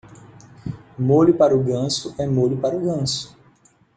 Molho para o ganso é molho para o ganso.